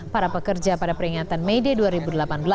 para pekerja pada peringatan may day dua ribu delapan belas